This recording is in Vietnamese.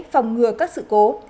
phòng ngừa các sự cố